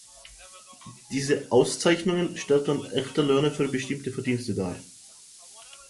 Diese Auszeichnungen stellten echte Löhne für bestimmte Verdienste dar.